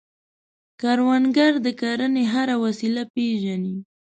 کروندګر د کرنې هره وسیله پېژني